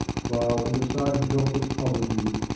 While, in the sight of helpless poverty.